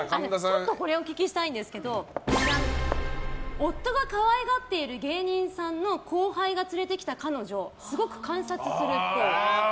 ちょっとお聞きしたんですけど夫が可愛がってる芸人さんの後輩が連れてきた彼女すごく観察するっぽい。